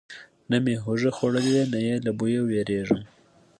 نه مې هوږه خوړلې، نه یې له بویه ویریږم.